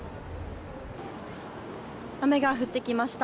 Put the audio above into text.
雨が降ってきました。